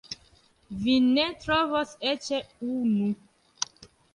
Vi ne trovos eĉ unu.